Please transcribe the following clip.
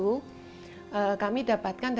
kami dapat mencari bayi prematur indonesia